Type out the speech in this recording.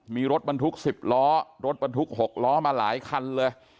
มีรถบรรทุก๑๐ล้อรถบรรทุก๖ล้อมาหลายคันเลย